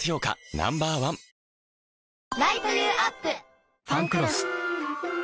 ＮＯ．１「ファンクロス」